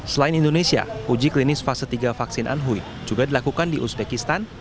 selain indonesia uji klinis fase tiga vaksin anhui juga dilakukan di uzbekistan